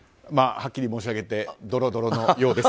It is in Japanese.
はっきり申し上げてドロドロのようです。